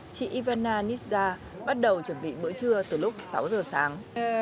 chị ivana nisda bắt đầu chuẩn bị bữa trưa từ lúc sáu giờ sáng